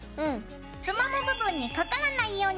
つまむ部分にかからないようにして。